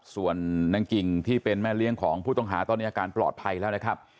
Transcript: ส่วนนางกิ่งที่เป็นแม่เลี้ยงของผู้ต้องหาตอนนี้อาการปลอดภัยแล้วนะครับ